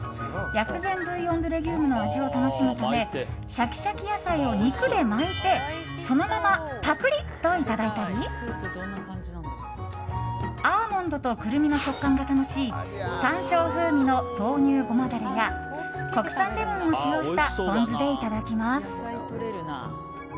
薬膳ブイヨン・ドゥ・レギュームの味を楽しむためシャキシャキ野菜を肉で巻いてそのままパクリといただいたりアーモンドとクルミの食感が楽しい山椒風味の豆乳ごまダレや国産レモンを使用したポン酢でいただきます。